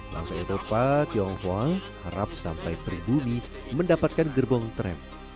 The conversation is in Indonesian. langsat eropa tionghoa harap sampai berdumi mendapatkan gerbong tram